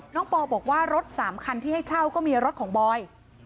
ปอบอกว่ารถ๓คันที่ให้เช่าก็มีรถของบอย